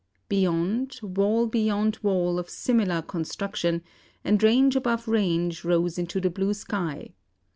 Beyond, wall beyond wall of similar construction, and range above range, rose into the blue sky.